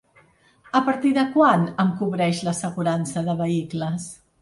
A partir de quan em cobreix l'assegurança de vehicles?